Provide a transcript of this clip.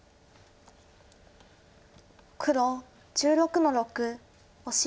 黒１６の六オシ。